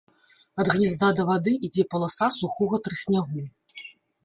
Ад гнязда да вады ідзе паласа сухога трыснягу.